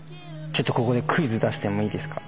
ちょっとここでクイズ出してもいいですか？